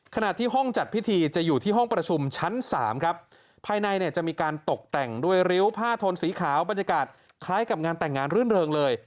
ขณะที่ห้องจัดพิธีจะอยู่ที่ห้องประชุมชั้นสามครับภายในเนี่ยจะมีการตกแต่งด้วยริ้วผ้าทนสีขาวบรรยากาศคล้ายกับงานแต่งงานรื่นเริงเลย